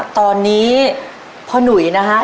ตอนนี้พ่อหนุ๋ยนะครับ